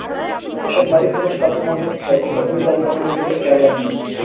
এসব নারী পুরুষ কাজে মগ্ন থাকায় দ্রুতগামী যানবাহনের দিকে খেয়াল রাখেন না।